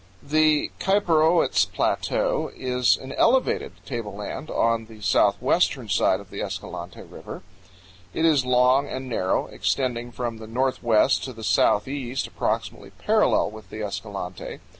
The Kaiparowits Plateau is an elevated table land on the southwestern side of the Escalante River. It is long and narrow, extending from the northwest to the southeast approximately parallel with the Escalante.